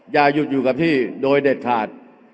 อย่าหยุดอยู่กับที่โดยเด็ดขาด